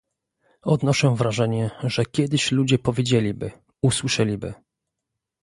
Odnoszę wrażenie, że kiedyś ludzie powiedzieliby, usłyszeliby